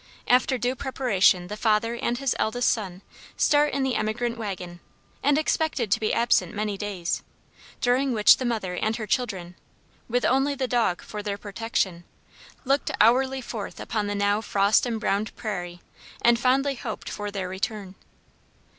After due preparation the father and his eldest son started in the emigrant wagon, and expected to be absent many days, during which the mother and her children, with only the dog for their protection, looked hourly forth upon the now frost embrowned prairie, and fondly hoped for their return.